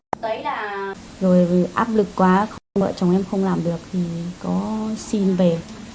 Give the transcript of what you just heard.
rồi áp lực quá vợ chồng em không làm được thì có xin về